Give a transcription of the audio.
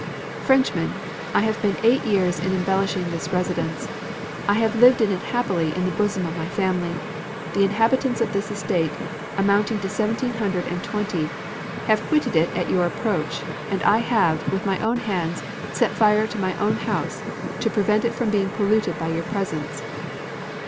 "_Frenchmen, I have been eight years in embellishing this residence; I have lived in it happily in the bosom of my family. The inhabitants of this estate (amounting to seventeen hundred and twenty) have quitted it at your approach; and I have, with my own hands, set fire to my own house, to prevent it from being polluted by your presence.